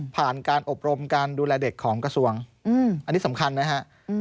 การอบรมการดูแลเด็กของกระทรวงอันนี้สำคัญนะฮะ